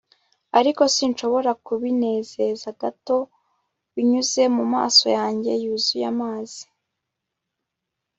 ariko sinshobora kubinezeza gato binyuze mumaso yanjye yuzuye amazi